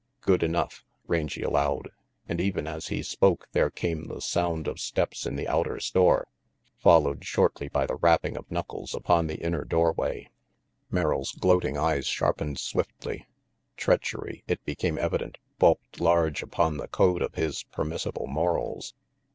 "Good enough," Rangy allowed; and even as he spoke there came the sound of steps in the outer 268 RANGY PETE store, followed shortly by the rapping of knuckles upon the inner doorway. Merrill's gloating eyes sharpened swiftly. Treach ery, it became evident, bulked large upon the code of his permissible morals.